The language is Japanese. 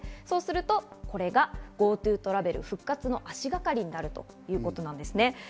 そうするとこれがＧｏＴｏトラベルの復活の足がかりになるということなんです。